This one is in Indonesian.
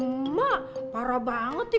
emak parah banget ya